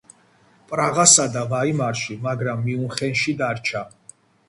პრაღასა და ვაიმარში, მაგრამ მიუნხენში დარჩა.